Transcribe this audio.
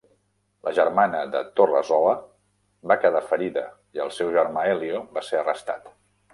La germana de Torresola va quedar ferida i el seu germà Elio va ser arrestat.